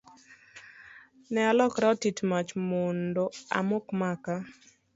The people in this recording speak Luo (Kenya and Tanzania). Ne alokora otit mach mondo amok maka.